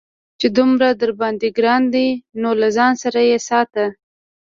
چې دومره درباندې گران دى نو له ځان سره يې ساته.